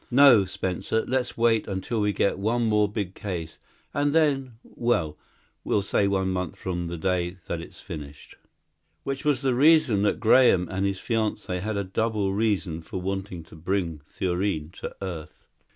No, Spencer, let's wait until we get one more BIG case, and then well, we'll say one month from the day it's finished." Which was the reason that Graham and his fiancée had a double reason for wanting to bring Thurene to earth.